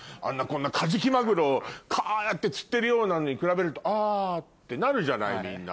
カジキマグロをこうやって釣ってるようなのに比べるとあぁってなるじゃないみんな。